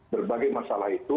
berbagai masalah itu